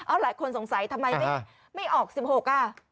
เอาหลายคนสงสัยทำไมไม่ออก๑๖อ่ะ